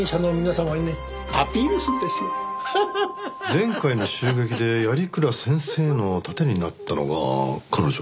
前回の襲撃で鑓鞍先生の盾になったのが彼女。